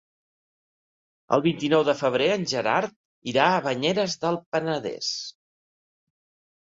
El vint-i-nou de febrer en Gerard irà a Banyeres del Penedès.